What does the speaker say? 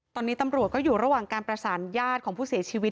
ตอนนี้ตำรวจก็อยู่ระหว่างการประสานญาติของผู้เสียชีวิต